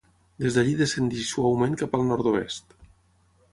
Des d'allí descendeix suaument cap al nord-oest.